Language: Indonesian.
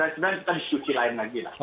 sebenarnya kita diskusi lain lagi lah